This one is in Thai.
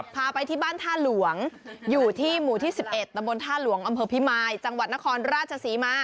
พาไปที่บ้านท่าหลวงอยู่ที่หมู่ที่๑๑ตะบนท่าหลวงอำเภอพิมายจังหวัดนครราชศรีมา